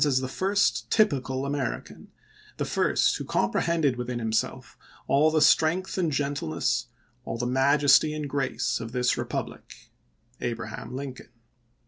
as the first typical American, the first who com prehended within himself all the strength and gentleness, all the majesty and grace of this republic — Abraham Lincoln."